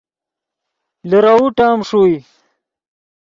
لیروؤ ٹیم ݰوئے